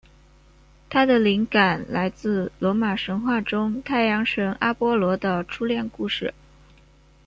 它的灵感来自罗马神话中太阳神阿波罗的初恋故事。